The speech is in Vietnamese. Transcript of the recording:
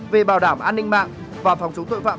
về bảo đảm an ninh mạng và phòng chống tội phạm